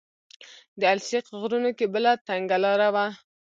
د السیق غرونو کې بله تنګه لاره وه.